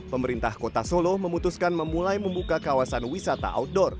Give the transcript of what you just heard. pemerintah kota solo memutuskan memulai membuka kawasan wisata outdoor